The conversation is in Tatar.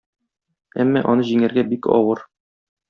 Әмма аны җиңәргә бик авыр.